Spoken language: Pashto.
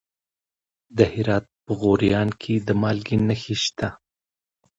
د هرات په غوریان کې د مالګې نښې شته.